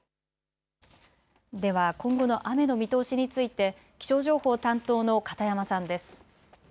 では今後の雨の見通しについて気象情報担当の片山さんです。